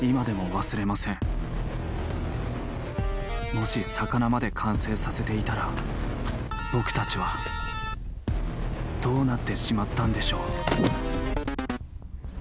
「もし魚まで完成させていたら僕たちはどうなってしまったんでしょう？」